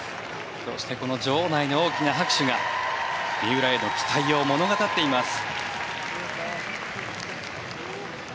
場内の大きな拍手が三浦への期待を物語っています。